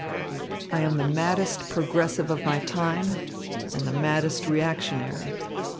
I am the maddest progressive of my time and the maddest reactionary.